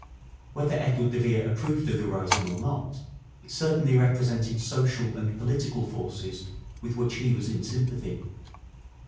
Whether Edward de Vere approved of the rising or not, it certainly represented social and political forces with which he was in sympathy.